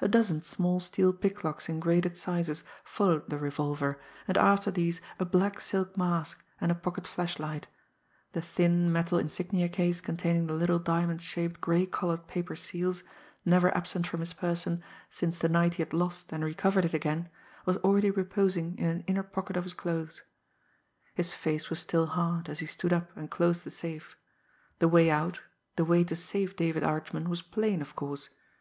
A dozen small steel picklocks in graded sizes followed the revolver, and after these a black silk mask and a pocket flashlight the thin, metal insignia case containing the little diamond shaped, gray coloured paper seals, never absent from his person since the night he had lost and recovered it again, was already reposing in an inner pocket of his clothes. His face was still hard, as he stood up and closed the safe. The way out, the way to save David Archman was plain, of course.